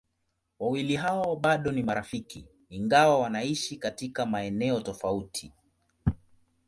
Wawili hao bado ni marafiki ingawa wanaishi katika maeneo tofauti.